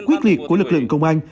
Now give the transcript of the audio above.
quyết liệt của lực lượng công an